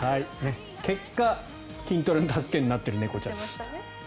結果、筋トレの助けになっている猫ちゃん。